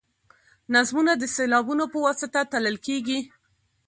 نظمونه د سېلابونو په واسطه تلل کیږي.